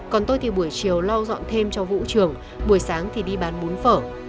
còn tôi thì buổi chiều lo dọn thêm cho vũ trường buổi sáng thì đi bán bún phở